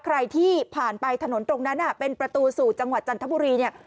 ใครที่ผ่านไปถนนตรงนั้นเป็นประตูสู่จังหวัดจันทบุรีเนี่ย